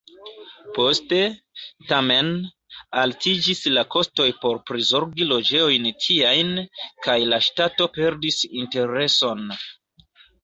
Poste, tamen, altiĝis la kostoj por prizorgi loĝejojn tiajn, kaj la ŝtato perdis intereson.